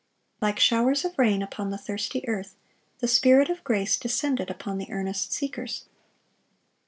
Like showers of rain upon the thirsty earth, the Spirit of grace descended upon the earnest seekers.